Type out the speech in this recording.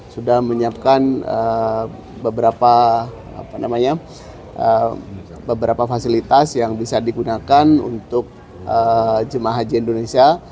sudah menyiapkan beberapa fasilitas yang bisa digunakan untuk jemaah haji indonesia